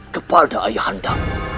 kepada ayah anda